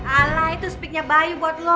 alah itu speaknya bayu buat lo